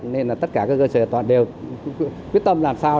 nên là tất cả các giai đoạn tất cả đều quyết tâm làm sao